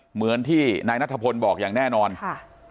เหมือนที่นายนัทพลบอกอย่างแน่นอนค่ะ